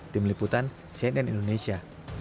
tim liputan cnn indonesia